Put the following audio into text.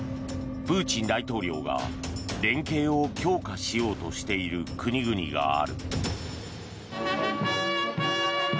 プーチン大統領が連携を強化しようとしている国々がある。